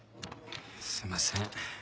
すいません。